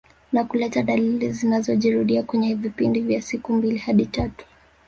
Na kuleta dalili zinazojirudia kwenye vipindi vya siku mbili hadi tatu